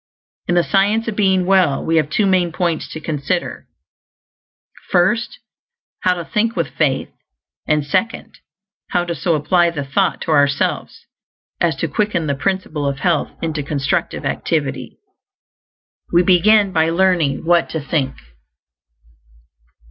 In the Science of Being Well we have two main points to consider: first, how to think with faith; and, second, how to so apply the thought to ourselves as to quicken the Principle of Health into constructive activity. We begin by learning What to Think.